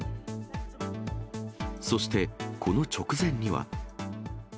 そして、この直前には。